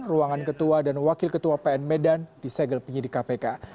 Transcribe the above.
ruangan ketua dan wakil ketua pn medan disegel penyidik kpk